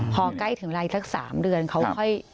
พอใกล้ถึงเวลาอีกสัก๓เดือนเขาค่อย